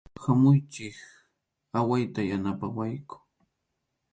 Hamuychik, awayta yanapawayku.